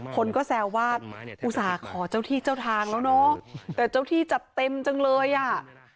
คนก็แซวว่าอุตส่าห์ขอเจ้าที่เจ้าทางแล้วเนอะแต่เจ้าที่จัดเต็มจังเลยอ่ะ